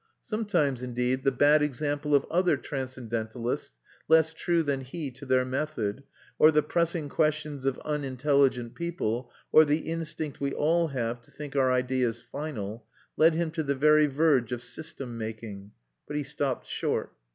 Sometimes, indeed, the bad example of other transcendentalists, less true than he to their method, or the pressing questions of unintelligent people, or the instinct we all have to think our ideas final, led him to the very verge of system making; but he stopped short.